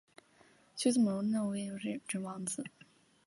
修私摩古印度摩揭陀国的王子。